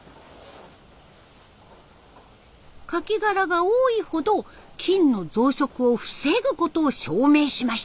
カキ殻が多いほど菌の増殖を防ぐことを証明しました。